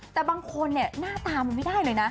แต่บางคนเนี่ยหน้าตามันไม่ได้เลยนะ